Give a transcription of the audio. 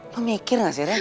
lo mikir gak sih rin